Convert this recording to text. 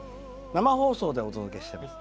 生放送でお届けしてます。